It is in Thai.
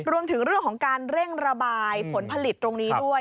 รวมถึงเรื่องของการเร่งระบายผลผลิตตรงนี้ด้วย